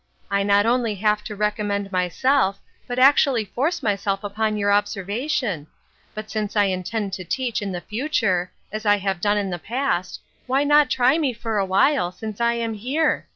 I not only have to recom 892 Ruth UrsJcine^s Crosses. mend myself, but actually force myself upoi your observation. But, since I intend to teach in the future, as I have done in the past, why not try me for awhile, since I am here